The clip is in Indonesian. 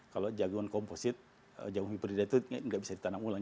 kalau jagung komposit jagung hiperdida itu nggak bisa ditanam ulang